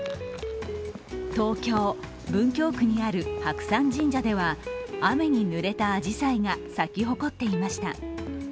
東京・文京区にある白山神社では雨にぬれたあじさいが咲き誇っていました。